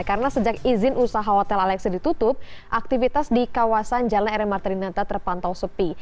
karena sejak izin usaha hotel alexia ditutup aktivitas di kawasan jalan rm martinata terpantau sepi